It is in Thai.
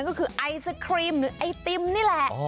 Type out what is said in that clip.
ก็คือไอศครีมหรือไอติมนี่แหละ